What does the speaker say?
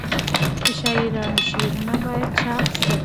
د شاعرانو شعرونه باید چاپ سي.